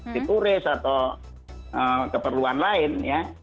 dipulis atau keperluan lain ya